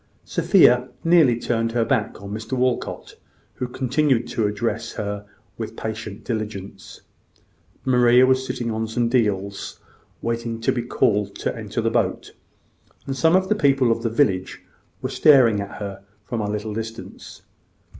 Sophia nearly turned her back upon Mr Walcot, who continued to address her with patient diligence. Maria was sitting on some deals, waiting to be called to enter the boat; and some of the people of the village were staring at her from a little distance.